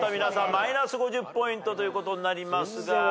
マイナス５０ポイントということになりますが。